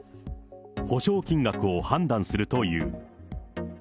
補償金額を判断するという。